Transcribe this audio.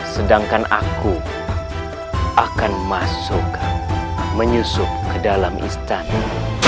sedangkan aku akan masuk menyusup ke dalam istana